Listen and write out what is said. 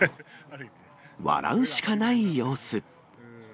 笑うしかない様子。